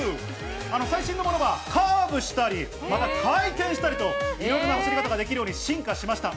最新のものはカーブしたり、また回転したりと、いろいろな走り方ができるように進化しました。